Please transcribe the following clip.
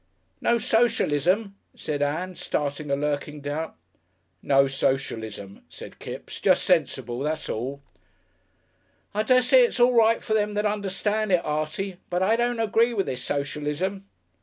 "No socialism," said Ann, starting a lurking doubt. "No socialism," said Kipps; "just sensible, that's all." "I dessay it's all right for them that understand it, Artie, but I don't agree with this socialism."